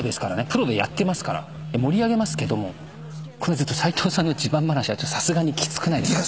プロでやってますから盛り上げますけどもずっと斎藤さんの自慢話はさすがにきつくないですか？